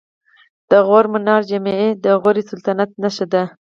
د غور منارې جمعې د غوري سلطنت نښه ده